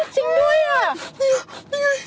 จริงด้วยหรอก